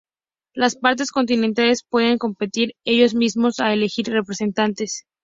Las partes contendientes podían competir ellos mismos o elegir representantes.